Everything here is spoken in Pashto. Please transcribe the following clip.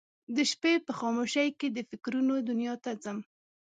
د شپې په خاموشۍ کې د فکرونه دنیا ته ځم